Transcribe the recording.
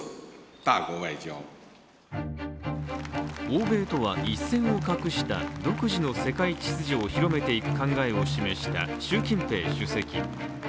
欧米とは一線を画した独自の世界秩序を広めていく考えを示した習近平主席。